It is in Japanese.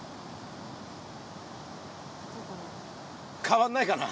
変わんないかな。